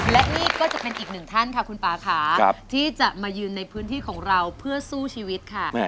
และนี่ก็จะเป็นอีกหนึ่งท่านค่ะคุณป่าค่ะที่จะมายืนในพื้นที่ของเราเพื่อสู้ชีวิตค่ะ